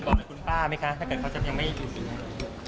บอกกับคุณป้าไหมคะถ้าเกิดเขาจะยังไม่ดูสิครับ